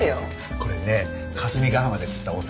これね霞ヶ浜で釣ったお魚。